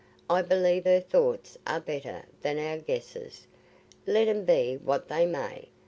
I believe her thoughts are better than our guesses, let 'em be what they may.